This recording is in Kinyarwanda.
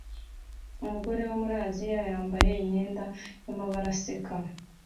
Umugore wo muri Aziya wambaye imyenda yamabara aseka